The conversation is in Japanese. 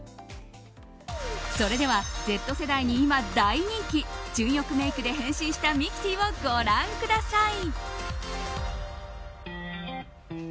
それではＺ世代に今大人気純欲メイクで変身したミキティをご覧ください。